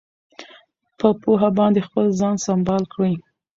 په پوهه باندې خپل ځان سمبال کړئ.